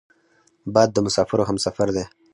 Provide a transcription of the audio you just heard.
باد د مسافرو همسفر دی